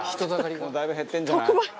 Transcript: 「もうだいぶ減ってるんじゃない？」